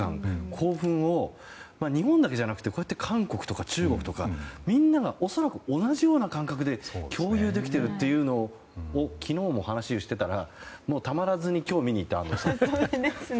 興奮を日本だけじゃなくてこうやって韓国とか中国とかみんなが恐らく同じような感覚で共有できているというのを昨日も話をしていたらたまらずに今日見に行ったんですよね。